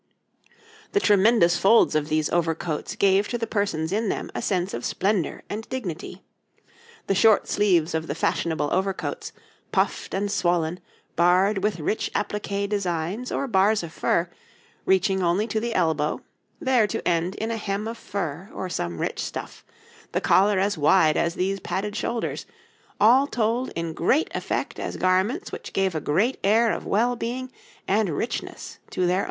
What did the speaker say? The tremendous folds of these overcoats gave to the persons in them a sense of splendour and dignity; the short sleeves of the fashionable overcoats, puffed and swollen, barred with rich appliqué designs or bars of fur, reaching only to the elbow, there to end in a hem of fur or some rich stuff, the collar as wide as these padded shoulders, all told in effect as garments which gave a great air of well being and richness to their owner.